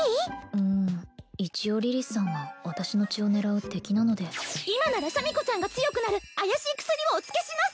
うん一応リリスさんは私の血を狙う敵なので今ならシャミ子ちゃんが強くなる怪しい薬をお付けします